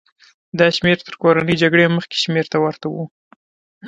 دا شمېر تر کورنۍ جګړې مخکې شمېرې ته ورته و.